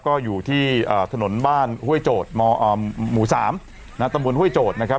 ก็อยู่ที่ถนนบ้านห้วยโจทย์หมู่๓ตำบลห้วยโจทย์นะครับ